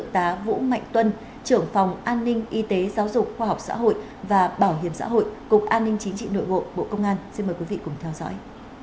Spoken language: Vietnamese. trưởng phòng an ninh y tế giáo dục khoa học xã hội và bảo hiểm xã hội cục an ninh chính trị nội vộ bộ công an xin mời quý vị cùng theo dõi